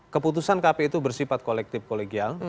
keputusan kpu itu bersifat kolektif kolegial